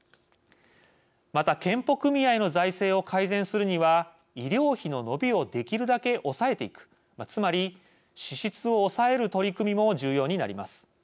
また健保組合の財政を改善するには医療費の伸びをできるだけ抑えていくつまり支出を抑える取り組みも重要になります。